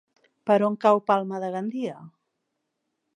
Per on cau Palma de Gandia?